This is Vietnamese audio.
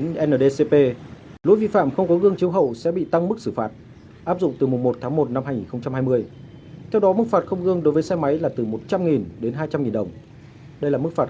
nếu không có gương chiếu hậu sẽ bị tăng mức phạt